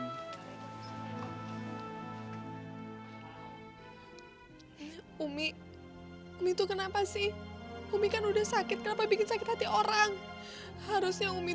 umi itu kenapa sih umi kan udah sakit kenapa bikin sakit hati orang harusnya umi